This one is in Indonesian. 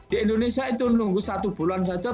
di indonesia itu nunggu satu bulan saja